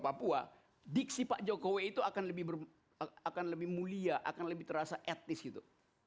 papua diksi pak jokowi itu akan lebih berbuka akan lebih mulia akan lebih terasa etnis itu